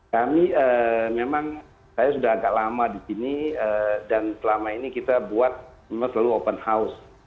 kami memang saya sudah agak lama di sini dan selama ini kita buat memang selalu open house